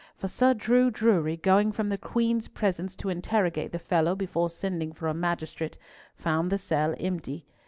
For Sir Drew Drury, going from the Queen's presence to interrogate the fellow before sending for a magistrate, found the cell empty.